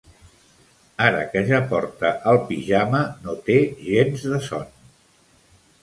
Ara que ja porta el pijama no té gens de son.